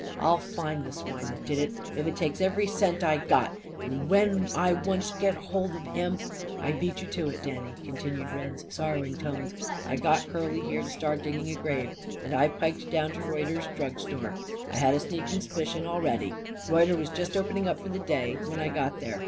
"I'll find the swine that did it, if it takes every cent I got. And when I once get hold of him " "I beat you to it, Danny," continued Red's sorrowing tones. "I got Curly, here, to start digging a grave; and I piked down to Reuter's drug store. I had a sneaking s'spicion, already. Reuter was just opening up for the day when I got there.